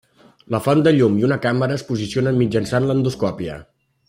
La font de llum i una càmera es posicionen mitjançant l'endoscòpia.